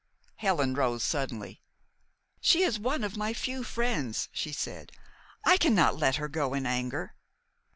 Helen rose suddenly. "She is one of my few friends," she said. "I cannot let her go in anger."